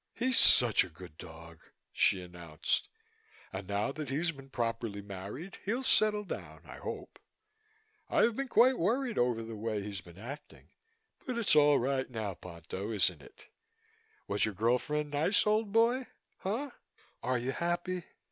"He's such a good dog," she announced, "and now that he's been properly married he'll settle down, I hope. I've been quite worried over the way he's been acting. But it's all right now, Ponto, isn't it? Was your girl friend nice, old boy? Huh? Are you happy?"